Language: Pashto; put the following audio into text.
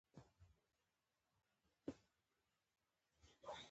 خرابه هوا او ستراتیژیکې تېروتنې لامل شول.